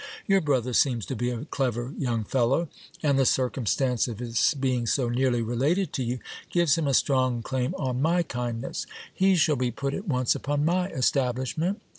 Your brother seems to be a clever young fellow ; and the circum stance of his being so nearly related to you, gives him a strong claim on my kindness. He shall be put at once upon my establishment.